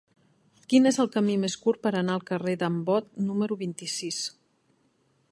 Quin és el camí més curt per anar al carrer d'en Bot número vint-i-sis?